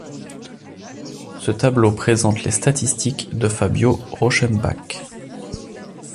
Ce tableau présente les statistiques de Fábio Rochemback.